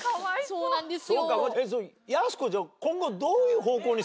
そうなんですよ。